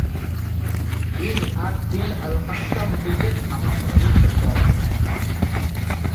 Is আদ-দীন আল-কাসসাম brigade হামাসের অবিচ্ছেদ্য অংশ।